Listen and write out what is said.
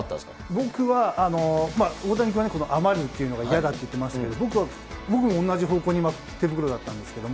僕は、大谷君は余るというのが嫌だと言ってますけど、僕は同じ方向に巻く手袋だったんですけれども。